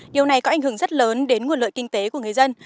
điều này có ảnh hưởng rất lớn đến nguồn lợi kinh tế của người dân